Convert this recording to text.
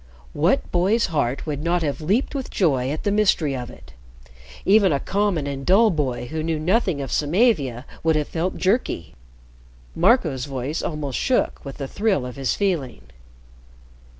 What boy's heart would not have leaped with joy at the mystery of it! Even a common and dull boy who knew nothing of Samavia would have felt jerky. Marco's voice almost shook with the thrill of his feeling.